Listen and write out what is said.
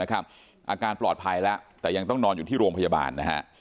อาการปลอดภัยแล้วแต่ยังต้องนอนอยู่ที่โรงพยาบาลนะฮะ